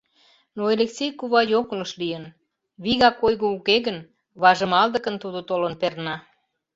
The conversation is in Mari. Но Элексей кува йоҥылыш лийын, вигак ойго уке гын, важмалдыкын тудо толын перна.